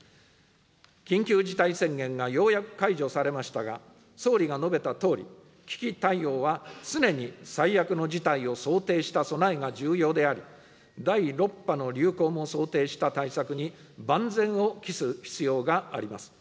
緊急事態宣言がようやく解除されましたが、総理が述べたとおり、危機対応は常に最悪の事態を想定した備えが重要であり、第６波の流行も想定した対策に、万全を期す必要があります。